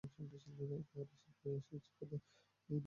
উপহার নিয়ে এসেছি সাথে।